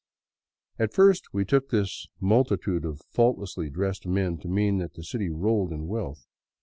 At first we took this multitude of faultlessly dressed men to mean that the city rolled in wealth.